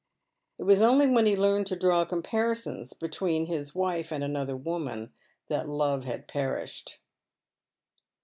It was only when he learned to draw comparisons between his wife and another woman that love had perished.